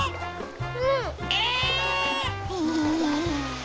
うん！えっ！